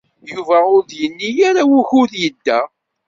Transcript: Yuba ur d-yenni ara wukud yedda.